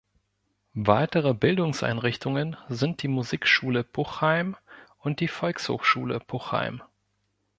Weitere Bildungseinrichtungen sind die Musikschule Puchheim und die Volkshochschule Puchheim.